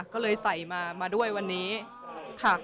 ก็เลยใส่มามาด้วยวันนี้ค่ะ